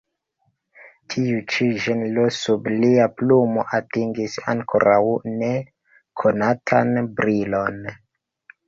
Tiu ĉi ĝenro sub lia plumo atingis ankoraŭ ne konatan brilon.